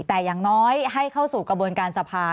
แต่อย่างน้อยให้เข้าสู่กระบวนการสภา